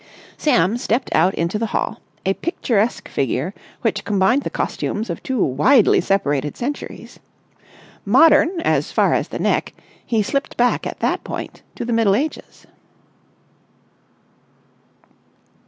Sam stepped out into the hall, a picturesque figure which combined the costumes of two widely separated centuries. Modern as far as the neck, he slipped back at that point to the Middle Ages.